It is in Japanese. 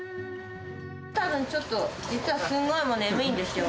たぶんちょっと、実はすんごいもう眠いんですよ。